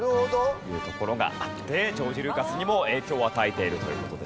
というところがあってジョージ・ルーカスにも影響を与えているという事ですね。